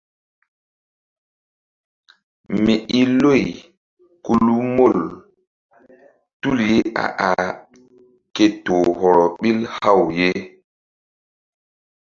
Mi i loy ku lu mol tul ye a ah ke toh hɔrɔ ɓil haw ye.